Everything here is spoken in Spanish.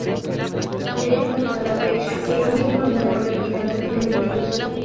Es hasta la fecha, el único número retirado en la institución.